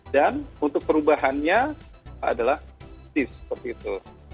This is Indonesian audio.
dan untuk perubahannya adalah sis seperti itu